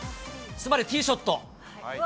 つまり、ティーショット。